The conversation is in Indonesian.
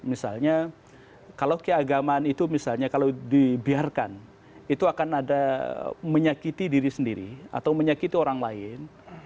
misalnya kalau keagamaan itu dibiarkan itu akan menyakiti diri sendiri atau menyakiti orang lain